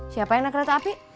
siapa yang naik kereta api